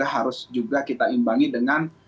harus juga kita imbangi dengan